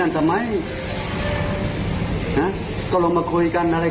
ถ้าทราบมาผมจะไปนั่นทำไม